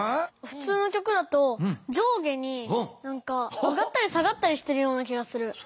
ふつうの曲だと上下に上がったり下がったりしてるような気がする。